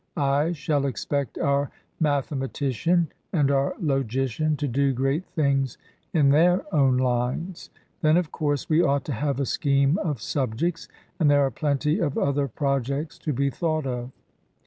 I shall expect our mathematician and our logician to do great things in their own lines. Then, of course, we ought to have a scheme of subjects ; and there are plenty of other projects to be thought of."